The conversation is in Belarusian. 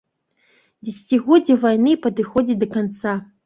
Дзесяцігоддзе вайны падыходзіць да канца.